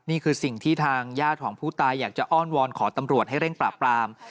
นี่คือสิ่งที่ทางญาติของผู้ตายอยากจะอ้อนวอนขอตำรวจให้เร่งปราบปราม